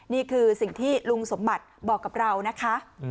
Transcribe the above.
นี่คือสิ่งที่ลุงสมบัติบอกกับเรานะคะ